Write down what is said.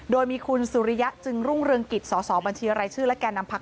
โดยมีคุณสุริยะจึงรุ่งเรืองกิจสสบัญชีรายชื่อและแก่นำพัก